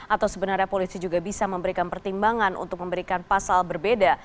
atau sebenarnya polisi juga bisa memberikan pertimbangan untuk memberikan pasal berbeda